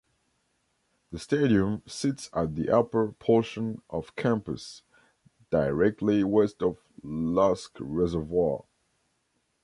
The stadium sits at the upper portion of campus, directly west of Lusk Reservoir.